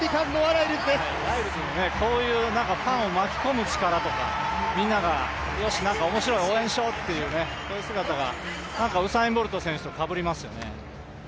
ライルズのこういうファンを巻き込む力とか、みんながよし、何か面白い、応援しようというこういう姿が、ウサイン・ボルト選手とかぶりますよね。